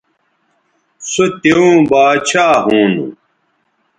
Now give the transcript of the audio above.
سو توؤں باچھا ھونو